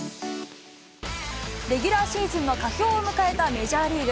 レギュラーシーズンの佳境を迎えたメジャーリーグ。